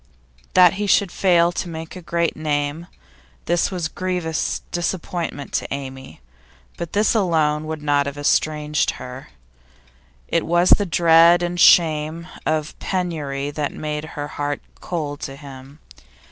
That he should fail to make a great name, this was grievous disappointment to Amy, but this alone would not have estranged her. It was the dread and shame of penury that made her heart cold to him.